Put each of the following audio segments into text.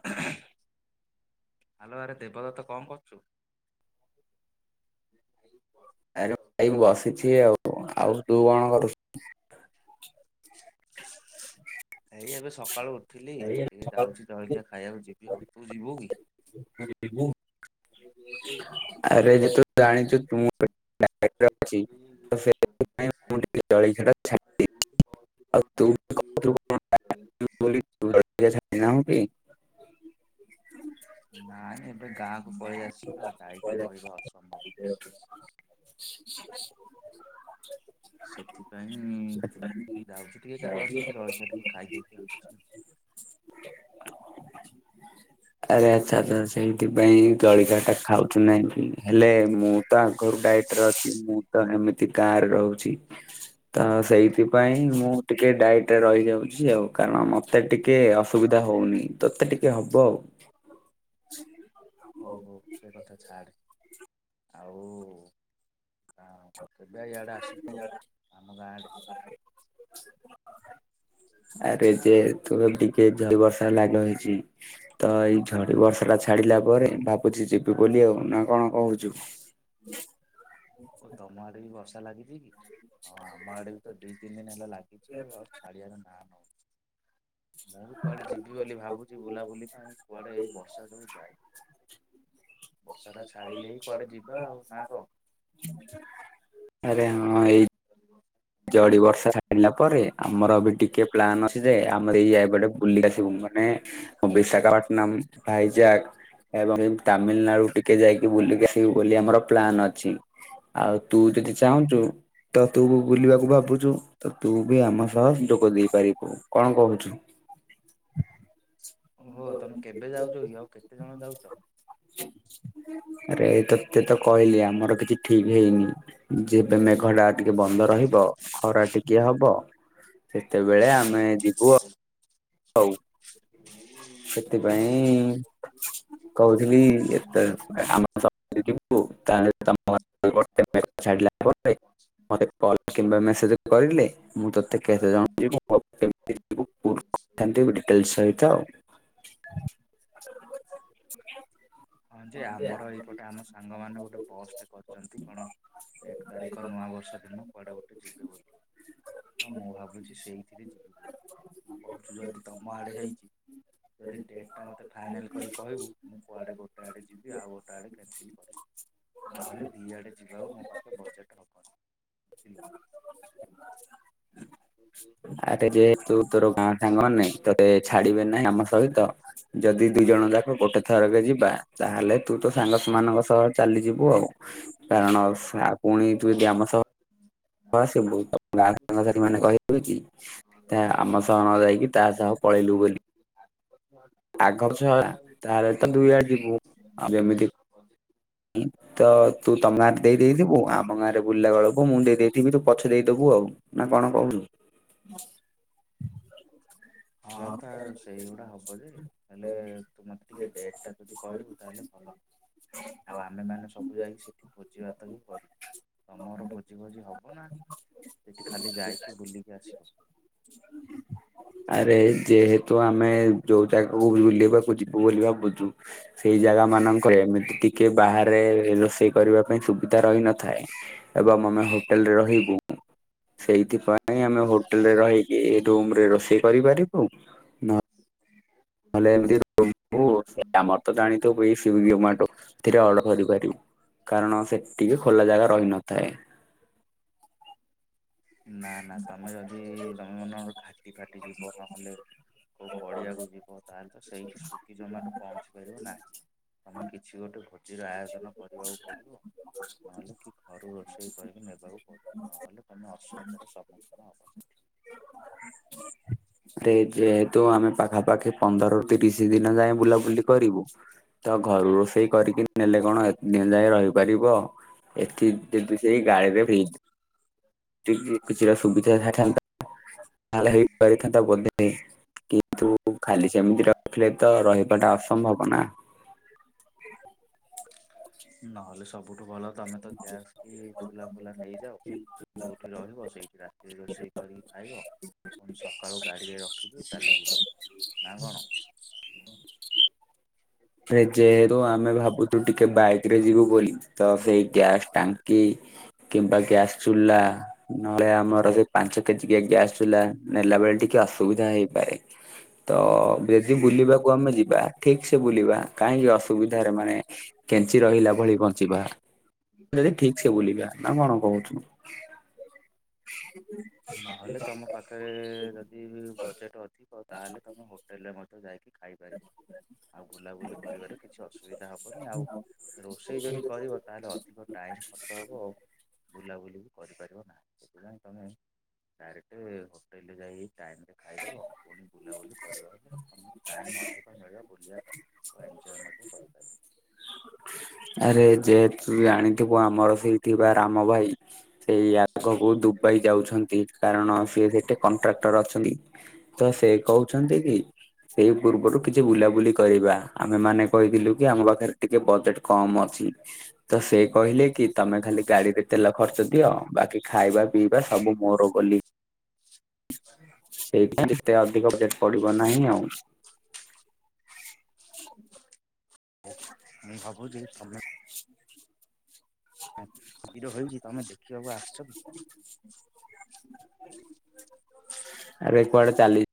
Hello ଆରେ ଦେବଦତ୍ତ କଣ କରୁଛୁ? ଆରେ ଭାଇ ବସିଛି ଆଉ ଆଉ ତୁ କଣ କରୁଛୁ? ଏଇ ଏବେ ସକାଳୁ ଉଠିଲି ଟିକେ ଯାଉଛି ଜଳଖିଆ ଖାଇବାକୁ ଯିବି ଆଉ ତୁ ଯିବୁ କି? [inaudible] ଆରେ ଯେହେତୁ ଜାଣିଛୁ ଜାଣିଛି ତୁ ଅଛି ତ [unintelligible] ସେଥିପାଇଁ [inaudible] ଆଉୁ [unintelligible] ହ [unintelligible] [unintelligible] ନାଇଁ ଏବେ ଗାଁ କୁ ପଳେଇ ଆସିଛି ତ ଡାଇଟରେ ରହିବା ଅସମ୍ଭବ। [inaudible] [inaudible] ସେଥିପାଇଁ ଯାଉଛି ଟିକେ କେତେବେଳେ କି? କେମିତି ଜଳଖିଆ ଟିକେ ଖାଇଦେଇକି ଆସୁଛି ଆଉ। ଆରେ ଆଛା ସେଇଥିପାଇଁ ଜଳଖି ଖାଉଛୁ ନାଇଁ ହେଲେ ମୁଁ ତ ଆଘରୁ ଡାଇଟ ରେ ଅଛି ମୁଁ ତ ଏମିତି କାର ରହୁଛି ତ ସେଇଥିପାଇଁ ମୁଁ ଟିକେ ଡାଇଟରେ ରହିଯାଉଛି ଆଉ କାରଣ ମତେ ଟିକେ ଅସୁବିଧା ହଉନି। ତୋତେ ଟିକେ ହବ ଆଉ। ହଉ ହଉ ସେ କଥା ଛାଡ ଆଉ କ କେବେ ଇଆଡେ ଆସୁଛୁ ଆଉ ଆମ ଗାଁ ଆଡ଼େ। [inaudible] ଯେ ତୁମେ ଟିକେ ଝରି ବର୍ଷା ଲାଗ ହେଇଛି। ତ ଏଇ ଝଡି ବର୍ଷା ଟା ଛାଡିଲା ପରେ ଭାବୁଛି ଯିବି ବୋଲି ଆଉ ନା କଣ କହୁଛୁ। ତମ ଆଡେ ବି ବର୍ଷା ଲାଗିଛି କି ହଁ ଆମ ଆଡେ ବି ଦିଇ ତିନି ଦିନ ହେଲା ଲାଗିଛି ଆଉ ଆଉ ଶାଡିଆର ନାଁ ନଉ ମୁଁ ବି କୁଆଡେ ଯିବି ବୋଲି ଭାବୁଛି ବୁଲାବୁଲି ପାଇଁ କୁଆଡେ ଏଇ ବର୍ଷା ସବୁ ଯାଇ ବର୍ଷାଟା ଛାଡ଼ିଲେ ହି କୁଆଡେ ଯିବା ଆଉ ନା କହ। ହ [inaudible] ଆରେ ହଁ ଏଇ ଚଜ [inaudible] ଜଡି ବର୍ଷା ଛାଢିଲା ପରେ ଆମର ବି ଟିକେ ପ୍ଲାନ୍ ଅଛି ଯେ ଆମର ଏଇ ଯାଇପଟେ ବୁଲି ଆସିବୁ ମାନେ ବିଶାଖାପାଟନମ ଭାଇଜାକ ଏବଂ ତାମିଲନାଡୁ ଟିକେ ଯାଇକି ବୁଲିକି ଆସିବୁ ବୋଲି ଆମର ପ୍ଲାନ ଅଛି। ଆଉ ତୁ ଯଦି ଚାହୁଁଛୁ ତ ତୁ ବୁଲିବାକୁ ଭାବୁଛୁ ତ ତୁ ବି ଆମ ସହ ଯୋଗ ଦେଇ ପାରିବୁ କଣ କହୁଛୁ। ଓହୋ ତମେ କେବେ ଯାଉଛ କି ଆଉ କେତେ ଜଣ ଯାଉଛ। ଆରେ ଏଇ ତତେ ତ କହିଲି ଆମର କିଛି ଠିକ ହେଇନି। ଯେବେ ମେଘ ଟା ଟିକେ ବନ୍ଦ ରହିବ ଖରା ଟିକେ ହବ ସେତେବେଳେ ଆମେ ଯିବୁ ଆଉ। [inaudible] ସେଥିପାଇଁ କହୁଥିଲି ଏ ଆମ ଯିବୁ ତାେ ତମ [unintelligible] ଛାଡ଼ିଲା ପରେ [unintelligible] ମୋତେ କଲ୍ କିମ୍ବା ମେସେଜ କରିଲେ ମୁଁ ତୋତେ କେତେ ଜଣ ଯିବୁ [inaudible] ଡିଟେଲ୍ସ ସହିତ ଆଉ। ହଁ ଯେ ଆମର ଏଇପଟେ ଆମ ସାଙ୍ଗ ମାନ ଗୋଟେ ବସଟେ କରିଛନ୍ତି କଣ ଏକ ତାରିଖ ନୂଆ ବର୍ଷ ଦିନ କୁଆଡେ ଗୋଟେ ଯିବେ ବୋଲି। ତ ମୁଁ ଭାବୁଛି ସେଇଥିରେ ଯିବି ଆଉ ତୁ କହୁଛୁ ଯଦି ତମ ଆଡେ ହେଇଛି ଯଦି ଡେଟ ଟା ମତେ ଫାଇନାଲ କରି କହିବୁ କୁଆଡେ ଗୋଟେ ଆଡେ ଯିବି ଆଉ ଗୋଟେ ଆଡେ କାନସେଲ କରିବି ନହେଲେ ଦିଇଆଡ଼େ ଯିବାରୁ ମୋ ପାଖେ ବଜେଟ୍ ହେବନି। ହ [inaudible] ହ [inaudible] ଆରେ ଯେହେତୁ ତୋର ଗାଁ ସାଙ୍ଗ ନାଇ ତୋତେ ଛାଡିବେ ନାହିଁ ଆମ ସହିତ ଯଦି ଦୁଇ ଜଣ ଯାକ ଗୋଟେ ଥରକେ ଯିବା ତାହେଲେ ତୁ ତ ସାଙ୍ଗ ମାନଙ୍କ ସହ ଚାଲିଯିବୁ ଆଉ। କାରଣ ସା ପୁଣି ତୁ ଯଦି ଆମ ସହ ଆସିବୁ ଗାଁ ସାଙ୍ଗସଥିୀ ମାନେ କହିବେ କି [unintelligible] ଆମ ସହ ନ ଯାଇକି ତା ସହ ପଳେଇଲୁ ବୋଲି। [unintelligible] ଆଗଛଲା ତାହେଲେ ତ ଦୁଇ ଆଡେ ଯିବୁ ଆଉ ଯେମିତି ହଁ ଯେ ହିଁ ତ ତୁ ତମ ଆଡ଼େ ଦେଇ ଦେଇ ଥିବୁ ଆମ ଗାଁରେ ବୁଲିଲା ବେଳକୁୁ ମୁଁ ଦେଇଦେଇ ଥିବି ତୁ ପଛେ ଦେଇଦବୁ ଆଉ ନା କଣ କହୁଛୁ। [inaudible] ହଁ ତ ସେଇଗୁଡା ହବ ଯେ ହେଲେ ତୁ ମତେ ଟିକେ ଡେଟ ଟା ଯଦି କହିବୁ ତାହେଲେ ଭଲ ଆମେମାନେ ସବୁ ଯାଇକି ସେଠି ଭୋଜିଭାତ ହି କରିବୁ। ତମର ଭୋଜି ଭୋଜି ହବ ନା ସେଇଠି ଖାଲି ଯାଇକି ବୁଲିକି ଆସିବୁ? ଆରେ ଯେହେତୁ ଆମେ ଯୋଉ ଜାଗାକୁ ବୁଲେଇବାକୁ ଯିବୁ ବୋଲି ଭାବୁଚୁ ସେଇ ଜାଗା ମାନଙ୍କରେ ଏମିତି ଟିକେ ବାହାରେ ରୋଷେଇ କରିବା ପାଇଁ ସୁବିଧା ରହିନଥାଏ। ଏବଂ ମମେ ହୋଟେଲରେ ରହିବୁ। ସେଇଥି ପାଇଁ ଆମେ ହୋଟେଲରେ ରହିକି ରୁମରେ ରୋଷେଇ କରିପାରିବୁ। [inaudible] ନହଲେ ଏମିତି ରହିବୁ ଆମର ତ ଜାଣିଥିବୁ ଏଇ ସୁଇଗ ଜମାଟ। ରେ ଅର୍ଡ଼ର କରିପାରିବୁ କାରଣ ସେ ଟିକେ ଖୋଲା ଜାଗା ରହିନଥାଏ। ନା ନା ତମେ ଯଦି ତମେ ମନେକର ଘାଟି ଫାଟି ଯିବ ନହେଲେ କଉ ପଡିିଆକୁ ଯିବ ତାହେଲେ ତ ସେଇଠି ସୁଗି ଜମାଟ ପହଞ୍ଚି ପାରିବ ନାହିଁ। ତମେ କିଛି ଗୋଟେ ଭୋଜିର ଆୟୋଜନ କରିବାକୁ ପଡିବ। ନହେଲେ କି ଘରୁ ରୋଷେଇ କରିକି ନେବାକୁ ପଡିବ ନହେଲେ ତୁମେ ଅସୁବିଧାର ସମ୍ମୁଖୀନ ହବ ସେଠି। ଟେ ଯେହେତୁ ଆମେ ପାଖାପାଖି ପନ୍ଦରରୁ ତିରିଶି ଦିନ ଯାଏ ବୁଲାବୁଲି କରିବୁ ତ ଘରୁ ରୋଷେଇ କରିକି ନେଲେ କଣ ଏ ଦିନ ଯାଏ ରହିପାରିବ ଏଠି ଯଦି ସେଇ ଗାଳିରେ ଫ୍ରିଜ କିଛିଟା ସୁବିଧା ଥାନ୍ତା ତାହେଲେ ହେଇପାରିଥାନ୍ତା ବଧେ। କିନ୍ତୁ ଖାଲି ସେମିତି ରଖିଲେ ତ ରହିବାଟା ଅସମ୍ଭବ ନା। ନହେଲେ ସବୁଠୁ ଭଲ ତମେ ତ ଗ୍ୟାସ କି ଚୁଲା ଫୁଲା ନେଇଯାଅ। ଯୋଉଠି ରହିବ ସେଇଠି ରାତିରେ ରୋଷେଇ କରିକି ଖାଇବ। ପୁଣି ସକାଳୁ ଗାଡ଼ିରେ ରଖିକି ଚାଲିଯିବ ନା କଣ। ସେ ଯେହେତୁ ଆମେ ଭାବୁଛୁ ଟିକେ ବାଇକରେ ଯିବୁ ବୋଲି ତ ସେଇ ଗ୍ୟାସ୍ ଟାଙ୍କ କି କିମ୍ବା ଗ୍ୟାସ ଚୁଲା। ନହେଲେ ଆମର ସେଇ ପାଞ୍ଚ କେଜିିକିଆ ଗ୍ୟାସଚୁଲା ନେଲା ବେଳେ ଟିକେ ଅସୁବିଧା ହେଇପାରେ। ତ ବେଶି ବୁଲିବାକୁ ଆମେ ଯିବା ଠିକ ସେ ବୁଲିବା କାହିଁକି ଅସୁବିଧାରେ ମାନେ କେଞ୍ଚି ରହିଲା ଭଳି ବଞ୍ଚିବା। ଯଦି ଠିକ ସେ ବୁଲିବା ନା କଣ କହୁଛୁ। [inaudible] ନହେଲେ ତମ ପାଖରେ ଯଦି ବଜେଟ ଅଧିକ ତାହେଲେ ତମ ହୁ ହୋଟେଲ ରେ ମଧ୍ୟ ଯାଇକି ଖାଇପାରିବ। ଆଉ ବୁଲାବୁଲି କରିବାରେ କିଛି ଅସୁବିଧା ହବନି ଆଉ ରୋଷେଇ ଯଦି କରିବ ତାହେଲେ ଅଧିକ ଟାଇମ୍ ଖର୍ଚ୍ଚ ହେବ ଆଉ ବୁଲାବୁଲି ବି କରିପାରିବ ନାହିଁ। ସେଥିପାଇଁ ତମେ ଡାଇରେକ୍ଟ ହୋଟେଲରେ ଯାଇ ଟାଇମ ରେ ଖାଇଦେବ ପୁଣି ବୁଲାବୁଲି କରିବ ହେଲେ ତମକୁ ଟାଇମ୍ ଅଧିକ ମିଳିବ ବୁଲିବା ପାଇଁ। ଏନଜୟ ମଧ୍ୟ କରିପାରିବ। ଆରେ ଯେହେତୁ ଜାଣିଥିବୁ ଆମର ସେଇ ଥିବା ରାମ ଭାଇ। ସେଇ ଆଗକୁ ଦୁବାଇ ଯାଉଛନ୍ତି କାରଣ ସିଏ ସେଠି କଣ୍ଟ୍ରାକ୍ଟର ଅଛନ୍ତି। ତ ସେ କହୁଛନ୍ତି କି ସେଇ ପୂର୍ବରୁ କିଛି ବୁଲାବୁଲି କରିବା ଆମେ ମାନେ କହିଥିଲୁ କି ଆମ ପାଖରେ ଟିକେ ବଜେଟ କମ ଅଛି। ହଁ ତ ସେ କହିଲେ କି ତମେ ଖାଲି ଗାଡିରେ ତେଲ ଖର୍ଚ୍ଚ ଦିଅ ବାକି ଖାଇବା ପିଇବା ସବୁ ମୋର ବୋଲି। ସେଇଥିପାଇଁ ଯେତେ ଅଧିକ ବଜେଟ ପଡିବ ନାହିଁ ଆଉ। ମୁଁ ଭାବୁଛି ତମେ ଭୀର ହେଇକି ତମେ ଦେଖିବାକୁ ଆ ହ ଆରେ କୁଆଡେ ଚାଲି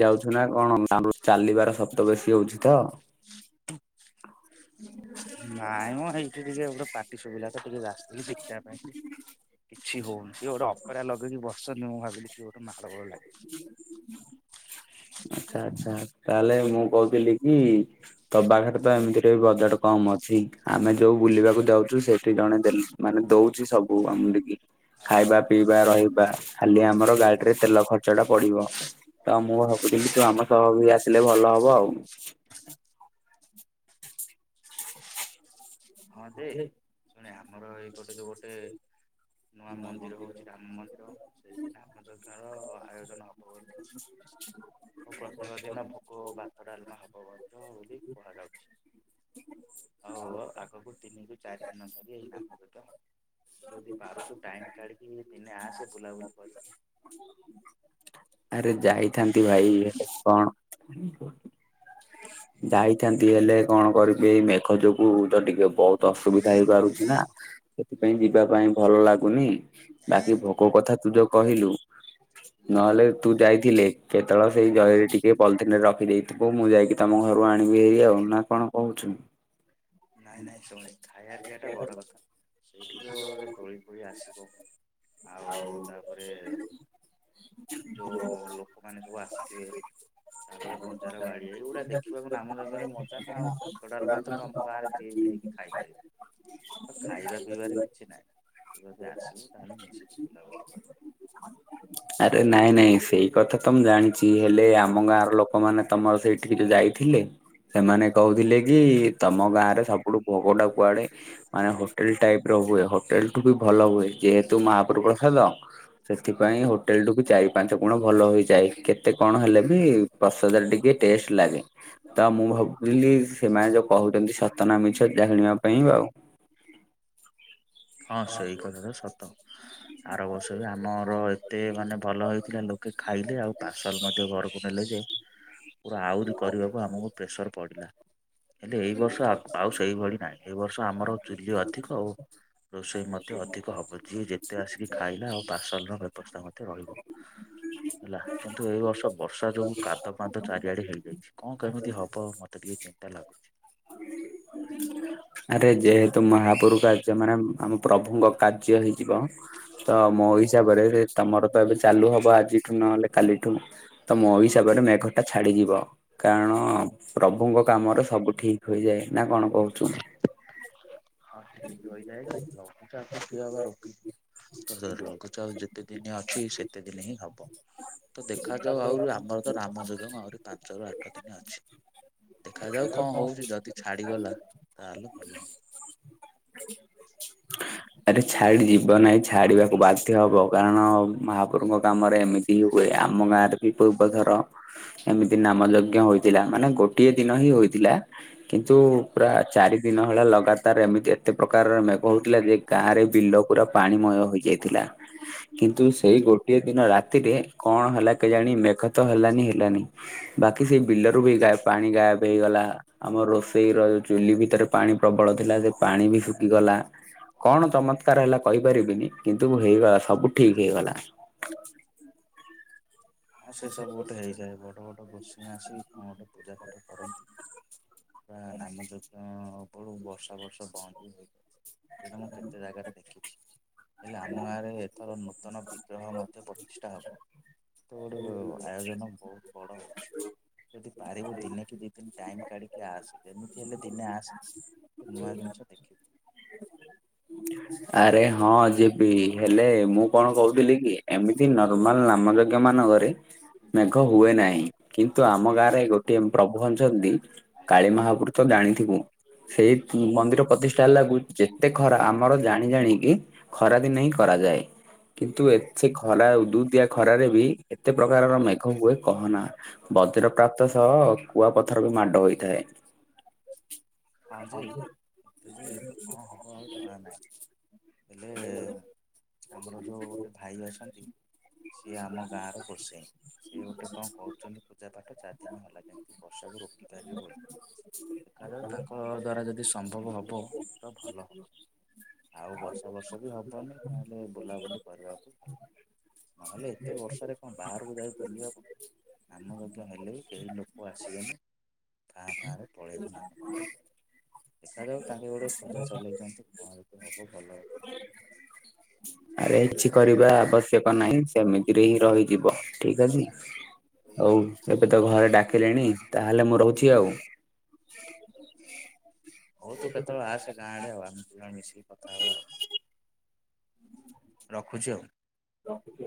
ଯାଉଛୁ ନା କଣ? ଆ ଚାଲିବାର ଶବ୍ଦ ବେଶୀ ହଉଛି ତ ନାଇ ମ ହେଇଠି ଟିକେ ଗୋଟେ ପାଟି ସୁୁବିଲା ତ ଟିକେ ଆସିଥିଲି ଶିଖିବା ପାଇଁ। କିଛି ହଉନି କି ଗୋଟେ ଅପେରା ଲଗେଇକି ବସିଛନ୍ତି ମୁଁ ଭାବିଲି କିଏ ଗୋଟେ ମାଡ଼ ଗୋଳ ଲାଗ ଆଛା ଆଚ୍ଛା। ତାହେଲେ ମୁଁ କହୁଥିଲି କି ତୋ ପାଖରେ ତ ଏମିତିରେ ବଜେଟ କମ ଅଛି ଆମେ ଯୋଉ ବୁଲିବାକୁ ଯାଉଛୁ ସେଠି ଜଣେ ଦେଲେ-ମାନେ ଦଉଛି ସବୁ ଆମ ଟିକି ଖାଇବା ପିଇବା ରହିବା। ଖାଲି ଆମର ଗାଡିରେ ତେଲ ଖର୍ଚ ଗଛଟା ପଡିବ। ତ ମୁଁ ଭାବୁଥିଲ କି ତୁ ଆମ ସହ ବି ଆସିଲେ ଭଲ ହବ ଆଉ। ହଁ ଯେ ଶୁଣେ ଆମର ଏଇ ପଟେ ଯେ ଗୋଟେ ନୂଆ ମନ୍ଦିର ହଉଛି। ରାମ ମନ୍ଦିର ସେଇଥି ଆମ ଚତାଳ ଆୟୋଜନ ହବ ବୋଲି ମୁ ପ୍ରତ୍ୟେକ ଦିନ ଭୋକ ବା ଭାତ ଡାଲମା ହବ ମଧ୍ୟ ବୋଲି କୁହାଯାଉଛି। ଆଉ ବୁଟ ଦିନିକୁ ଚାରି ଦିନ ଧରିି ଏଇ ରାମ ଯଜ୍ଞ ହବ। ଯଦି ପାରୁଛୁ ଟାଇମ୍ କାଢିକି ଦିନେ ଆସେ ବୁଲାବୁଲି କରି ଆରେ ଯାଇଥାନ୍ତି ଭାଇ କଣ ଯାଇଥାନ୍ତି ହେଲେ କଣ କରିବି, ଏଇ ମେଘ ଯୋଗୁ ତ ଟିକେ ବହୁତ ଅସୁବିଧା ହେଇପାରୁଛି ନା ସେଥିପାଇଁ ଯିବା ପାଇଁ ଭଲ ଲାଗୁନି। ବାକି ଭୋକ କଥା ତୁ ଯୋଉ କହିଲୁ ନହେଲେ ତୁ ଯାଇଥିଲେ, କେତେବେଳେ ସେଇ ଜରିରେ ଟିକେ ଟିକେ ପଲିଥିନରେ ରଖିଦେଇଥିବୁ ମୁଁ ଯାଇକି ତମ ଘରୁ ଆଣିବି ହେଇ ଆଉ ନା କଣ କହୁଛୁ। ନାଇଁ ନାଇଁ ସେମିତି, ଖାଇବା ପିଆ ଟା ବଡ କଥା, ସେଇଠି ତ ଗୋଟେ ଦୋଳି ଫୋଳି ଆସିବ ଆଉ ତାପରେ ଯୋଉ ଲୋକମାନେ ସବୁ ଆସିଥିବେ, ତାପରେ ବଜାର ବାଡି ଏଇଗୁଡା ଦେଖ ଛୁଆକୁ ନାମଜରେ ମଜା ନା, ଆଉ ଭାତ ଡାଲମା ତ ତମ ଗାଁରେ ଯେ ବି ନେଇକି ଖାଇପାରିବ। ଆଉ ଖାଇବା ପିଇବାରେ କିଛି ନାହିଁ। ତୁ ଯଦି ଆସିବୁ ତାହାଲେ ମିଶିକି ବୁଲାବୁଲି କରିବ। ଆରେ ନାଇଁ ନାଇଁ ସେଇ କଥା ତ ମୁଁ ଜାଣିଛି, ହେଲେ ଆମ ଗାଁର ଲୋକମାନେ ତମର ସେଇଠ ଠିକି ଯାଇଥିଲେ, ସେମାନେ କହୁଥିଲେ କି ତମ ଗାଁ ରେ ସବୁଠୁ ଭୋଗ ଟା କୁଆଡେ ମାନେ ହୋଟେଲ ଟାଇପ୍ ର ହୁଏ ହୋଟେଲ ଠୁ ବି ଭଲ ହୁଏ ଯେହେତୁ ମାହା ପ୍ରଭୁ ପ୍ରସାଦ ସେଥିପାଇଁ ହୋଟେଲ ଠୁ ବି ଚାରି ପାଞ୍ଚ ଗୁଣ ଭଲ ହେଇଛି। ଯାଇ କେତେ କଣ ହେଲେ ବି, ପ୍ରସାଦ ଟିକେ ଟେଷ୍ଟ ଲାଗେ। ତ ମୁଁ ଭାବୁଥିଲି ସେମାନେ ଯୋଉ କହୁଛନ୍ତି ସତନା ମିଛ ଯା କିଣିବା ପାଇଁ ଆଉ ହଁ ସେଇ କଥାଟା ସତ ଆର ବର୍ଷ ଆମର ଏତେ ମାନେ ଭଲ ହେଇଥିଲା ଲ ଲୋକ ଖାଇଲେ, ଆଉ ପାର୍ସଲ ମଧ୍ୟ ଘର ନେଲେ ଯେ, ପୁରା ଆହୁରି କରିବାକୁ ଆମକୁ ପ୍ରେସର ପଡିଲା। ହେଲେ ଏଇ ବର୍ଷ ପାଉ ସେଇ ଭଳି ନାହିଁ। ଏ ବର୍ଷ ଆମର ଚୂଲି ଅଧିକ ଆଉ ରୋଷେଇ ମଧ୍ୟ ଅଧିକ ହବ। ଯିଏ ଯେତେ ଆସିକି ଖାଇଲା, ଆଉ ପାର୍ସଲ ର ବ୍ୟବସ୍ଥା ମଧ୍ୟ ରହିବ। ହେଲା। କିନ୍ତୁ ଏଇ ବର୍ଷ ବର୍ଷା ଯୋଗୁ କାଦ ପାଦ ଚା ଇଆଡେ ହେଇଯାଇଛି। କଣ, କେମିତି ହବ? ମତେ ଟିକେ ଚିନ୍ତା ଲାଗୁଛି। [unintelligible] ଆରେ ଯେହେତୁ ମହାପୁରୁକା ଯେମାନେ, ଆମ ପ୍ରଭୁଙ୍କ କାର୍ଯ୍ୟ ହେଇ ଯିବ ତ ମୋ ହିସାବରେ, ସେ ତମର ତ ଏବେ ଚାଲୁ ହବ ଆଜି ନହେଲେ କାଲିଠୁ ତ ମୋ ହିସାବରେ ମେଘ ଟା ଛାଡିଯିବ କାରଣ ପ୍ରଭୁଙ୍କ କାମରେ ସବୁ ଠିକ ହୋଇଯାଏ। ନା କଣ କହୁଚ? ହଁ ଠିକି ହୋଇଯାଏ ଯେ ଲଘୁଚାପ କିଏ ଅବା ରୋକେ। ତ ଲଘୁଚାପ ଯେତେ ଦିନି ଅଛି ସେତେ ଦିନି ହିଁ ହବ। ତ ଦେଖାଯାଉ ଆହୁରି ଆମର ତ ରାମ ଯଂଜ୍ଞ ଆହୁରି ପାଞ୍ଚରୁ ଆଠ ଦିନି ଅଛି। ଦେଖାଯାଉ କଣ ହଉଛି ଯଦି ଛାଡିଗଲା ତାହେଲେ ଭଲ। ଆରେ ଛାଡି ଯିବ ନାହିଁ ଛାଡିବାକୁ ବାଧ୍ୟ ହବ। କାରଣ ମାହାପୁରୁଙ୍କ କାମରେ ଏମିତିହି ହୁଏ ଆମ ଗାଁ ରେ ବି ପୂର୍ବଥର ଏମିତି ନାମ ଯଜ୍ଞ ହୋଇଥିଲା ମାନେ ଗୋଟିଏ ଦିନ ହିଁ ହୋଇଥିଲା। କିନ୍ତୁ ପ୍ରାଏ ଚାରି ଦିନ ଭଳିଆ ଲଗାତାର ଏମିତି ଏତେ ପ୍ରକାର ମେଘ ହଉଥିଲା ଯେ ଗାଁ ରେ ବିଲ ପୁରା ପାଣିମୟ ହେଇଯାଇଥିଲା କିନ୍ତୁ ସେଇ ଗୋଟିଏ ଦିନ ରାତିରେ କଣ ହେଲା କେଜାଣି ମେଘତ ହେଲାନି ହେଲାନି ବାକି ସେଇ ବିଲରୁବି ଗା ପାଣି ଗାଏବ ହେଇଗଲା। ଆମ ରୋଷେଇ ର ଚୁଲି ଭିତରେ ପାଣି ପ୍ରବଳ ଥିଲା ଯେ ପାଣି ବି ଶୁଖିଗଲା। କଣ ଚମତ୍କାର ହେଲା କହିପାରିବିନି କିନ୍ତୁ ହେଇଗଲା ସବୁ ଠିକ ହେଇଗଲା। ହଁ ସେ ସବୁ ଗୋଟେ ହେଇଯାଏ ବଡ ବଡ ଗୋଷିଙ୍ଗା ଆସି କଣ ଗୋଟେ ପୂଜାପାଠ କରନ୍ତି ପ୍ରାୟ ନା ନାମଯଜ୍ଞ ଅ ବଳୁ ବର୍ଷା ଫର୍ଷା ବନ୍ଦ ବି ହେଇଯଏ ଏଇଟା ମୁଁ କେତେ ଜାଗାରେ ଦେଖିଛି। ହେଲେ ଆମ ଗାଁରେ ଏଥର ନୂତନ ବିଗ୍ରହ ମଧ୍ୟ ପ୍ରତିଷ୍ଠା ହେବ। ତଗୋଟେ ଆୟୋଜନ ବହୁତ ବଡ ହଉଛି। ଯଦି ପାରିବୁ ଦିନେ କି ଦି ଦିନ ଟାଇମ୍ କାଢିକି ଆସେ ଯେମିତି ହେଲେ ଦିନେ ଆସେ। ନୂଆ ଜିନିଷ ଦେଖିବୁ। ଆରେ ହଁ ଯିବି ହେଲେ ମୁଁ କଣ କହୁଥିଲି କି? ଏମିତି ନର୍ମାଲ ନାମ ଯଜ୍ଞ ମାନଙ୍କରେ ମେଘ ହୁଏ ନାହିଁ କିନ୍ତୁ ଆମ ଗାଁରେ ଗୋଟିଏ ପ୍ରଭୁ ଅଛନ୍ତି କାଳି ମହାପୁରୁତ ଜାଣିଥିବୁ ସେଇ ମନ୍ଦିର ପ୍ରତିଷ୍ଠା ଲାଗୁ ଯେତେ ଖରା ଆମର ଜାଣି ଜାଣିକି ଖରାଦିନେ ହିଁ କରାଯାଏ। କିନ୍ତୁ ଏତ ଖରା ଉଦୁ ଉଦିଆ ଖରାରେ ବି ଏତେ ପ୍ରକାରର ମେ କଣ ହୁଏ କହନା ବଜ୍ର ପ୍ରାପ୍ତ ସହ କୁଆ ପଥର ବି ମାଡ ହୋଇଥାଏ। ହଁ ଯେ ଏତେ ଯେ ଏବେ କଣ ହବ ଆଉ ଜଣା ନାହିଁ। ହେଲେ ଆମର ଯୋଉ ଗୋଟେ ଭାଇ ଅଛନ୍ତି। ସିଏ ଆମ ଗାଁ ର ଗୋଷେଇଁ ସିଏ ଗୋଟେ କଣ କରୁଛନ୍ତି। ପୂଜା ପାାଠ ଚାରିଦିନ ହେଲା କେମିତି ବର୍ଷାକୁ ରୋକିପାରିବେ ବୋଲି। ଦେଖାଯାଉ ତାଙ୍କ ଦ୍ଵାରା ଯଦି ସମ୍ଭବ ହବ ତ ଭଲ ହବ। ଆଉ ବର୍ଷା ବର୍ଷା ବି ହବନି ତାହେଲେ ବୁଲାବୁଲି କରିବାକୁ ଭଲ। ନହେଲେ ଏତେ ବର୍ଷାରେ କଣ ବାହାରକୁ ଯାଇ ବୁଲିହବ। ନାମଯଜ୍ଞ ହେଲେ ବି କେହି ଲୋକ ଆସିବେନି ଫାଁ ଫାଁ ରେ ପଳେଇବ। ନାମଯଂଜ୍ଞ। ଦେଖାଯାଉ ତାଙ୍କେ ଗୋଟେ ପୂଜା ଚଲେଇଚନ୍ତି କଣ ଯଦି ହବ ଭଲ। [inaudible] ଆରେ କିଛି କରିବା ଆବଶ୍ୟକ ନାହିଁ। ସେମିତିରେ ହିଁ ରହିଯିବ ଠିକ ଅଛି। ହଉ ଏବେ ତ ଘରେ ଡାକିଲେଣି ତାହେଲେ ମୁଁ ରହୁଛି ଆଉ। ହଉ ତୁ କେତେଵେଳେ ଆସେଗାଁ ଆଡେ। ଆମେ ଦିଜଣ ମିଶିକି କଥା ହେବା ଆଉ। ରଖୁଛିୁ ଆଉ। [inaudible]